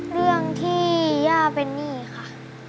เรื่องที่ย่าเป็นหนี้ค่ะ